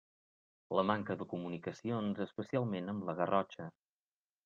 La manca de comunicacions, especialment amb la Garrotxa.